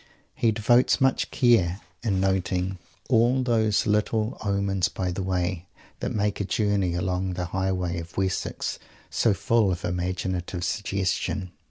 He devotes much care to noting all those little "omens by the way" that make a journey along the great highways of Wessex so full of imaginative suggestion.